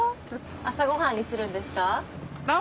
朝ごはんにするんですか？